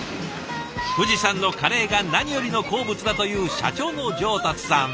藤さんのカレーが何よりの好物だという社長の上達さん。